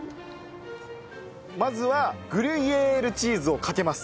まずはグリュイエールチーズをかけます。